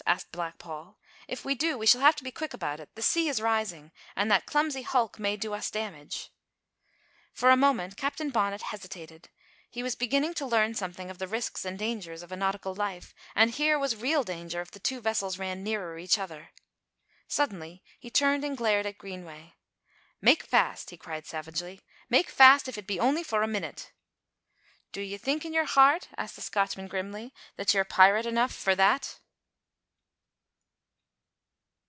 asked Black Paul. "If we do we shall have to be quick about it; the sea is rising, and that clumsy hulk may do us damage." For a moment Captain Bonnet hesitated, he was beginning to learn something of the risks and dangers of a nautical life, and here was real danger if the two vessels ran nearer each other. Suddenly he turned and glared at Greenway. "Make fast!" he cried savagely, "make fast! if it be only for a minute." "Do ye think in your heart," asked the Scotchman grimly, "that ye're pirate enough for that?"